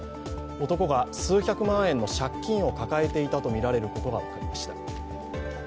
男が数百万円の借金を抱えていたとみられることが分かりました。